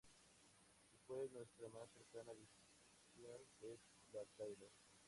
Y fue nuestra más cercana versión de la Taylor.